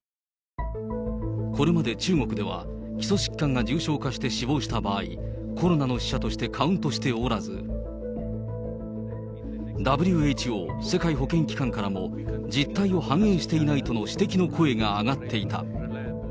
これまで中国では、基礎疾患が重症化して死亡した場合、コロナの死者としてカウントしておらず、ＷＨＯ・世界保健機関からも実態を反映していないとの指摘の声が上がっていた。